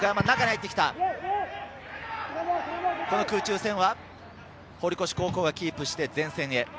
この空中戦は堀越高校がキープして前線へ。